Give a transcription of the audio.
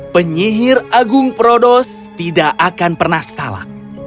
penyihir agung prodos tidak akan pernah salah